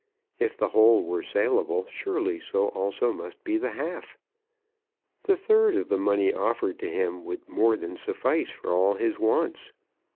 If the whole were saleable, surely so also must be the half. The third of the money offered to him would more than suffice for all his wants.